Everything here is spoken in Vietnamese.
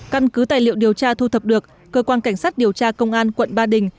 căn cứ tài liệu điều tra thu thập được cơ quan cảnh sát điều tra công an quận ba đình